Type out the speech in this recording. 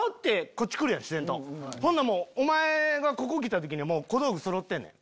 お前がここ来た時にはもう小道具そろってんねん。